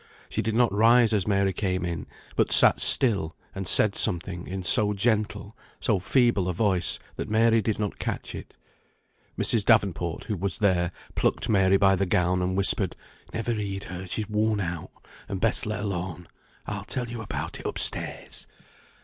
She did not rise as Mary came in, but sat still and said something in so gentle, so feeble a voice, that Mary did not catch it. Mrs. Davenport, who was there, plucked Mary by the gown, and whispered, "Never heed her; she's worn out, and best let alone. I'll tell you all about it, up stairs."